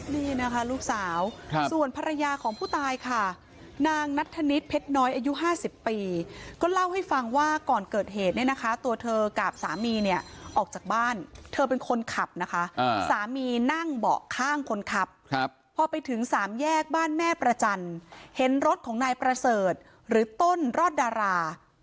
นี่นะคะลูกสาวส่วนภรรยาของผู้ตายค่ะนางนัทธนิษฐเพชรน้อยอายุ๕๐ปีก็เล่าให้ฟังว่าก่อนเกิดเหตุเนี่ยนะคะตัวเธอกับสามีเนี่ยออกจากบ้านเธอเป็นคนขับนะคะสามีนั่งเบาะข้างคนขับพอไปถึงสามแยกบ้านแม่ประจันทร์เห็นรถของนายประเสริฐหรือต้นรอดดารา